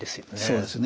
そうですね。